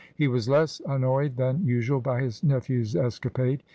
He was less annoyed than usual by his nephew's escapade.